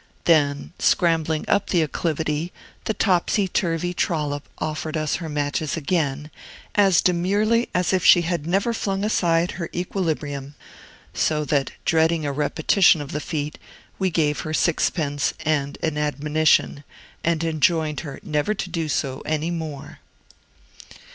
Then, scrambling up the acclivity, the topsy turvy trollop offered us her matches again, as demurely as if she had never flung aside her equilibrium; so that, dreading a repetition of the feat, we gave her sixpence and an admonition, and enjoined her never to do so any more.